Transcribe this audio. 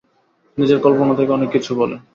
নিজের কল্পনা থেকে অনেক কিছু বলে।